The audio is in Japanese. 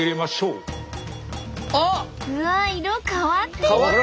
うわあ色変わってる！